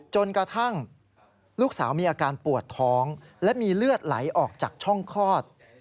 จนกระทั่งลูกสาวมีอาการปวดท้องและมีเลือดไหลออกจากช่องคลอด